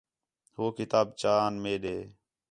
ہو کتاب چا آن میݙے